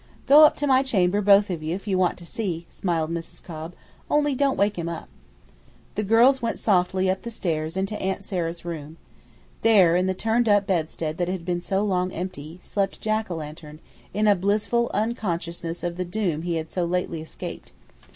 "Go up to my chamber, both of you, if you want to see," smiled Mrs. Cobb, "only don't wake him up." The girls went softly up the stairs into Aunt Sarah's room. There, in the turn up bedstead that had been so long empty, slept Jack o' lantern, in blissful unconsciousness of the doom he had so lately escaped.